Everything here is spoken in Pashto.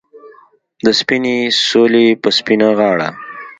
د سپینې سولې په سپینه غاړه